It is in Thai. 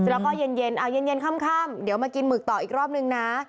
แล้วก็เย็นเอาเย็นค่ำเดี๋ยวมากินหมึกต่ออีกรอบนึงนะ